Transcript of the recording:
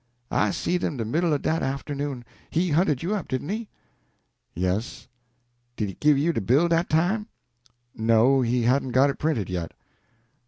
"I seed him de middle o' dat arternoon. He hunted you up, didn't he?" "Yes." "Did he give you de bill dat time?" "No, he hadn't got it printed yet."